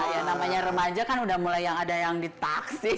yang namanya remaja kan udah mulai yang ada yang ditaksir